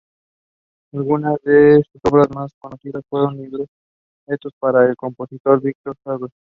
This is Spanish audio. Algunas de sus obras más conocidas fueron libretos para el compositor Victor Herbert.